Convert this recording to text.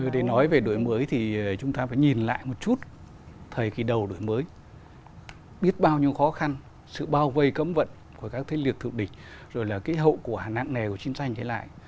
để nói về đổi mới thì chúng ta phải nhìn lại một chút thời kỳ đầu đổi mới biết bao nhiêu khó khăn sự bao vây cấm vận của các thế liệt thượng địch rồi là kế hậu của hạ nạn nè của chính doanh thế lại